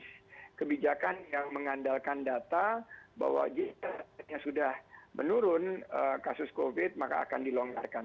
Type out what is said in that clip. sebuah kebijakan yang mengandalkan data bahwa jika kasusnya sudah menurun maka akan dilonggarkan